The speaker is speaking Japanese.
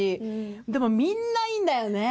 でもみんないいんだよね！